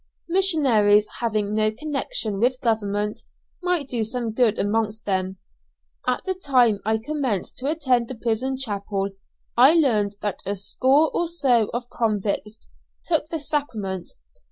Missionaries having no connection with Government, might do some good amongst them. At the time I commenced to attend the prison chapel, I learned that a score or so of convicts took the sacrament.